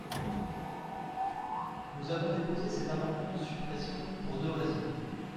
Nous avons déposé cet amendement de suppression pour deux raisons.